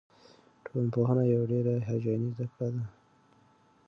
ټولنپوهنه یوه ډېره هیجاني زده کړه ده.